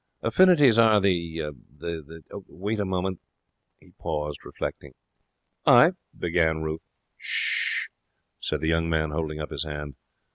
Affinities are the the Wait a moment.' He paused, reflecting. 'I ' began Ruth. ''Sh!' said the young man, holding up his hand.